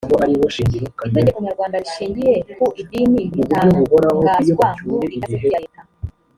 itegeko nyarwanda rishingiye ku idini rigatangazwa mu igazeti ya leta